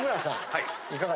はい。